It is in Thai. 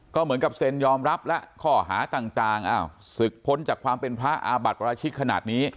ก็เหมือนกับเซ็นยอมรับแล้วข้อหาต่างศึกพ้นจากความเป็นพระอาบัติปราชิกขนาดนี้